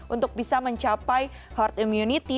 untuk bisa mencapai herd immunity